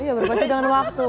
iya berbaci dengan waktu